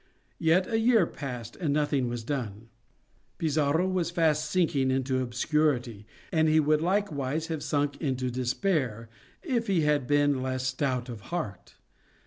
Yet a year passed, and nothing was done. Pizarro was fast sinking into obscurity, and he would likewise have sunk into despair, if he had been less stout of heart.